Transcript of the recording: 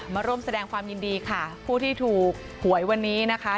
มาร่วมแสดงความยินดีค่ะผู้ที่ถูกหวยวันนี้นะคะ